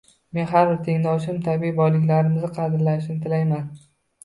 Men har bir tengdoshim tabiiy boyliklarimizni qadrlashini tilayman